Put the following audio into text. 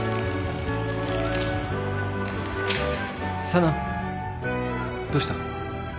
佐奈どうした？